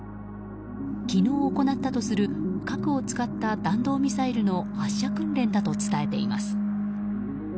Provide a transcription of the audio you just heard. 昨日行ったとする、核を使った弾道ミサイルの発射訓練だと伝えています。